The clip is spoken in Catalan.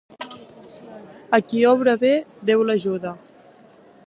A qui obra bé, Déu l'ajuda.